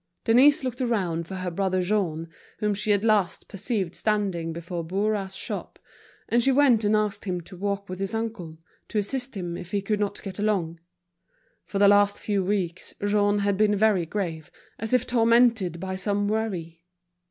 Denise looked round for her brother Jean, whom she at last perceived standing before Bourras's shop, and she went and asked him to walk with his uncle, to assist him if he could not get along. For the last few weeks Jean had been very grave, as if tormented by some worry.